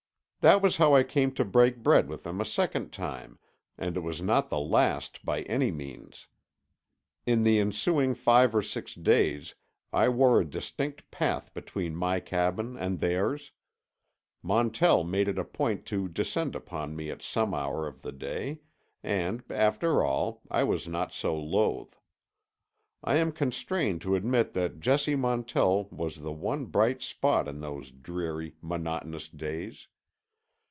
That was how I came to break bread with them a second time, and it was not the last by any means. In the ensuing five or six days I wore a distinct path between my cabin and theirs. Montell made it a point to descend upon me at some hour of the day, and, after all, I was not so loth. I am constrained to admit that Jessie Montell was the one bright spot in those dreary, monotonous days.